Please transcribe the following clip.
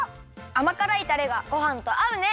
あまからいたれがごはんとあうね！